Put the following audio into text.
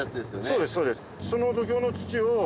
そうですそうです。